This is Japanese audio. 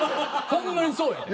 ほんまにそうやで。